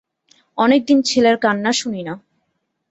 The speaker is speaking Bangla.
অনেক দিন ছেলের কান্না শুনি না।